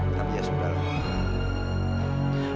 tapi ya sudah loh